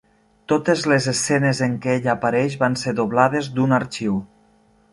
Totes les escenes en què ella apareix van ser doblades d'un arxiu.